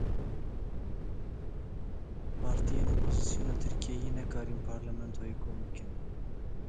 Partiyên opozîsyona Tirkiyeyê nekarin parlamentoyê kom bike.